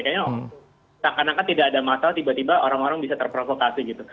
kayaknya seakan akan tidak ada masalah tiba tiba orang orang bisa terprovokasi gitu